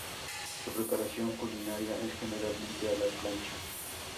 Su preparación culinaria es generalmente a la plancha.